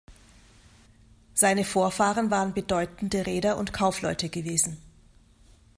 Seine Vorfahren waren bedeutende Reeder und Kaufleute gewesen.